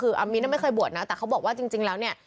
คืออามิ้นไม่เคยบวชนะแต่เขาบอกว่าจริงแล้วเนี่ย